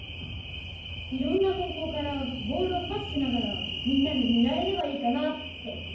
いろんな方向からボールをパスしながらみんなでねらえればいいかなって。